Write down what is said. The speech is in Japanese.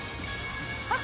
あっ！